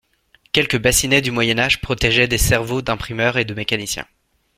Quelques bassinets du moyen âge protégeaient des cerveaux d'imprimeurs et de mécaniciens.